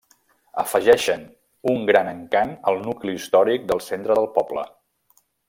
Afegeixen un gran encant al nucli històric de centre del poble.